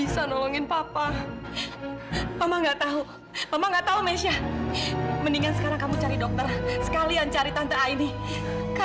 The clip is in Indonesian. sampai jumpa di video selanjutnya